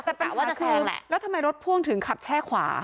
แต่กะว่าจะแซงแหละแล้วทำไมรถพ่วงถึงขับแช่ขวา